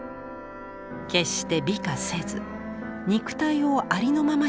決して美化せず肉体をありのままに描く。